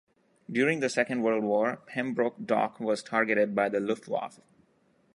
During the Second World War Pembroke Dock was targeted by the Luftwaffe.